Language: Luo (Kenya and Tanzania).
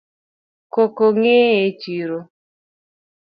Koko ng'eny e chiro